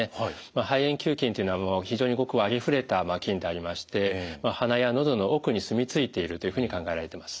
肺炎球菌というのは非常にごくありふれた菌でありまして鼻やのどの奥に住み着いているというふうに考えられてます。